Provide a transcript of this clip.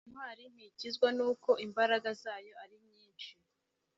Intwari ntikizwa nuko imbaraga zayo ari nyinshi